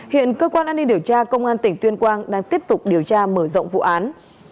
hiện cơ quan an ninh điều tra công an tỉnh tuyên quang đang tiếp tục điều tra mở rộng vụ án